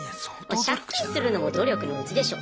借金するのも努力のうちでしょと。